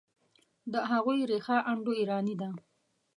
د هغوی ریښه انډوایراني ده.